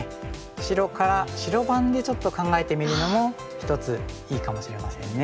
白から白番でちょっと考えてみるのも一ついいかもしれませんね。